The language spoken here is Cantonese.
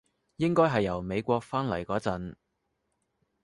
應該係由美國返嚟嗰陣